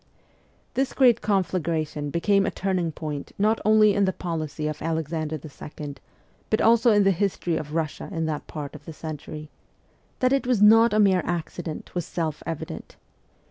This great conflagration became a turning point not only in the policy of Alexander II., but also in the history of Russia in that part of the century. That it was not a mere accident was self evident.